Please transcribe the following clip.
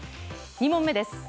２問目です。